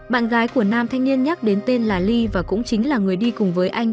bạn gái của nam thanh niên nhắc đến tên là ly và cũng chính là người đi cùng với anh